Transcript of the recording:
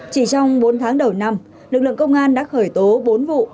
chỉ trong bốn tháng đầu năm lực lượng công an đã khởi tố bốn vụ